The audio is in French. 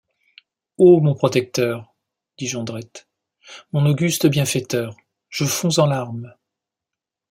Ô mon protecteur, dit Jondrette, mon auguste bienfaiteur, je fonds en larmes!